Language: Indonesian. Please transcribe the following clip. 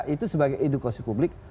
itu sebagai edukasi publik